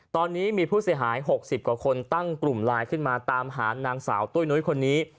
ตอนนี้มีผู้เสียหาย๖๐กว่าคนตั้งกลุ่มไลน์ขึ้นมาตามหานางสาวตุ้ยนุ้ยคนนี้